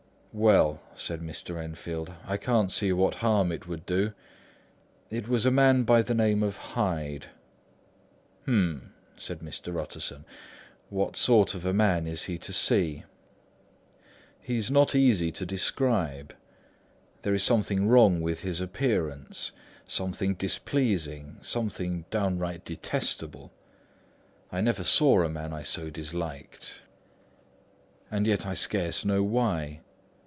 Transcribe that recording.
"Well," said Mr. Enfield, "I can't see what harm it would do. It was a man of the name of Hyde." "Hm," said Mr. Utterson. "What sort of a man is he to see?" "He is not easy to describe. There is something wrong with his appearance; something displeasing, something down right detestable. I never saw a man I so disliked, and yet I scarce know why.